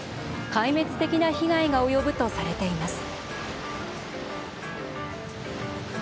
壊滅的な被害が及ぶとされています。